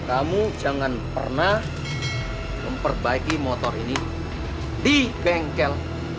kamu jangan pernah memperbaiki motor ini di bengkel